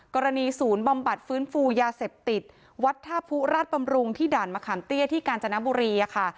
กรณีศูนย์บำบัดฟื้นฟูยาเสพติดวัดท่าผู้ราชบำรุงที่ด่านมะขามเตี้ยที่กาญจนบุรีค่ะ